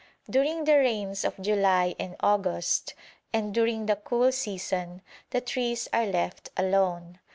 During the rains of July and August, and during the cool season, the trees are left alone.